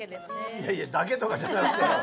いやいや「だけ」とかじゃなくて！